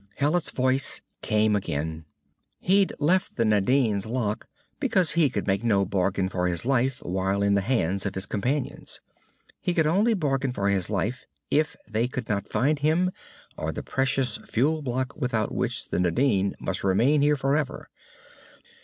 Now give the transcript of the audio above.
Hallet's voice came again. He'd left the Nadine's lock because he could make no bargain for his life while in the hands of his companions. He could only bargain for his life if they could not find him or the precious fuel block without which the Nadine must remain here forever.